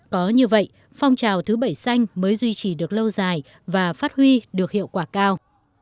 có như vậy phong trào thứ bảy xanh mới duy trì được lâu dài và phát huy được hiệu quả cao